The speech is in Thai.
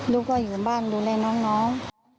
ลูกก็อยู่บ้านดูแลน้อง